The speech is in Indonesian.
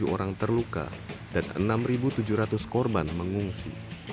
tujuh orang terluka dan enam tujuh ratus korban mengungsi